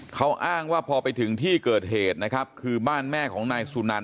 เขาอ้างว่าพอไปถึงที่เกิดเหตุนะครับคือบ้านแม่ของนายสุนัน